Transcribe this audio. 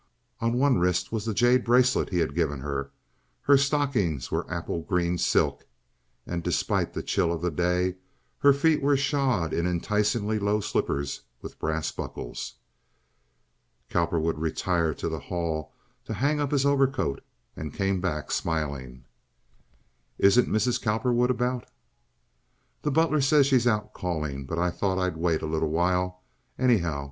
On one wrist was the jade bracelet he had given her. Her stockings were apple green silk, and, despite the chill of the day, her feet were shod in enticingly low slippers with brass buckles. Cowperwood retired to the hall to hang up his overcoat and came back smiling. "Isn't Mrs. Cowperwood about?" "The butler says she's out calling, but I thought I'd wait a little while, anyhow.